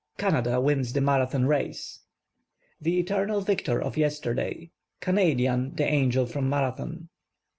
CAN. \D.\ WINS THE MARATHON RACE. The Eternal Victor of \e.sterday ‚ÄĒ Canadian the Angel FROM Marathon.